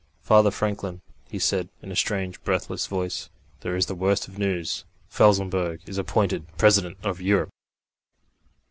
"Father Franklin," he said, in a strange breathless voice, "there is the worst of news. Felsenburgh is appointed President of Europe."